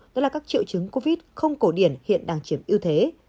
đó là các triệu chứng covid một mươi chín không cổ điển hiện đang chiếm ưu thế